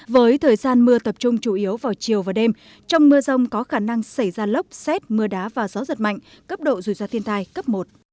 với thời gian mưa tập trung chủ yếu vào chiều và đêm trong mưa rông có khả năng xảy ra lốc xét mưa đá và gió giật mạnh cấp độ rủi ro thiên tai cấp một